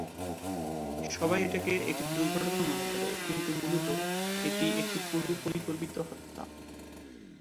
সবাই এটাকে একটি দুর্ঘটনা মনে করে, কিন্তু মূলত এটি একটি পূর্ব পরিকল্পিত হত্যা।